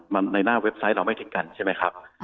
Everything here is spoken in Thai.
มันในหน้าเว็บไซต์เราไม่ถึงกันใช่ไหมครับ